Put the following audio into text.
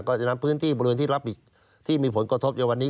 จะนำพื้นที่บริเวณที่รับอีกที่มีผลกระทบในวันนี้